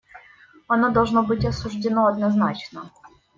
Оно должно быть осуждено однозначно.